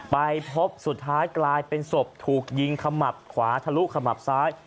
ไปพบสุดท้ายกลายเป็นศพถูกยิงขมับขวาทะลุขมับซ้าย